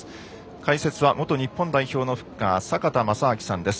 解説は元日本代表のフッカー坂田正彰さんです。